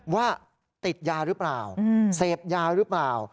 ว่าติดยาหรือเปล่าเสพยาหรือเปล่า